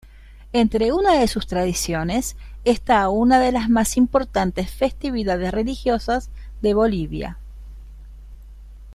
Entre sus tradiciones está una de las más importantes festividades religiosas de Bolivia.